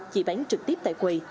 chỉ bán trực tiếp tại quầy